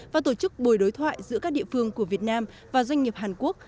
và tổ chức buổi đối thoại giữa các địa phương của việt nam và doanh nghiệp hàn quốc